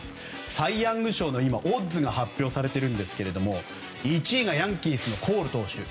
サイ・ヤング賞のオッズが発表されているんですが１位がヤンキースのコール投手で